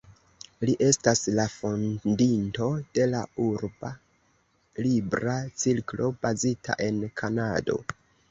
Li estas la fondinto de la Urba Libra Cirklo, bazita en Kanado.